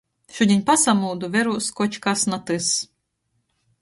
Šudiņ pasamūdu, verūs "koč kas na tys"...